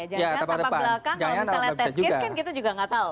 jangan jangan tampak belakang kalau misalnya test case kan gitu juga nggak tahu